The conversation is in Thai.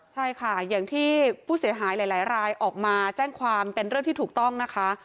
ใช่ค่ะอย่างที่ผู้เสียหายหลายรายออกมาแจ้งความเป็นเรื่องที่ถูกต้องนะคะ